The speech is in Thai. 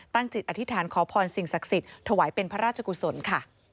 จิตอธิษฐานขอพรสิ่งศักดิ์สิทธิ์ถวายเป็นพระราชกุศลค่ะ